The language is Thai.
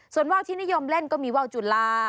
ส่วนว่าวที่นิยมเล่นก็มีว่าวจุลา